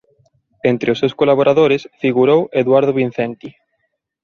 Entre os seus colaboradores figurou Eduardo Vincenti.